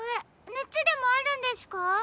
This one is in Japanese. ねつでもあるんですか？